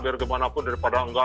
biar kemana mana pun daripada enggak